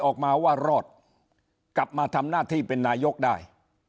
ออกมาว่ารอดกลับมาทำหน้าที่เป็นนายกได้